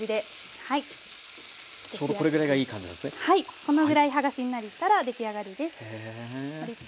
このぐらい葉がしんなりしたら出来上がりです。